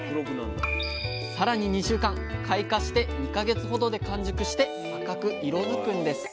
さらに２週間開花して２か月ほどで完熟して赤く色づくんです。